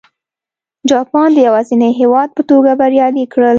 جاپان د یوازیني هېواد په توګه بریالی کړ.